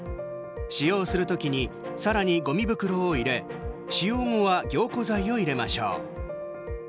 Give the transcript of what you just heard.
使用する時にさらにごみ袋を入れ使用後は凝固剤を入れましょう。